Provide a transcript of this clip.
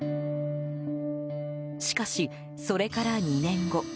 しかし、それから２年後。